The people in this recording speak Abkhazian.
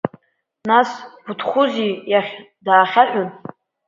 Нас, Буҭхузи иахь даахьаҳәын…